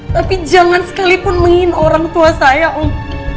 tapi jangan sekalipun mengingin orang tua saya om